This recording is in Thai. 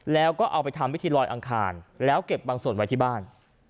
แล้วก็เอาไปทำพิธีลอยอังคารแล้วเก็บบางส่วนไว้ที่บ้าน